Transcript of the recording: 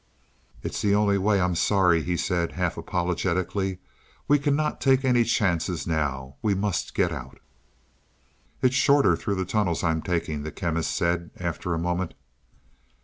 "It's the only way; I'm sorry," he said, half apologetically. "We cannot take any chances now; we must get out." "It's shorter through these tunnels I'm taking," the Chemist said after a moment.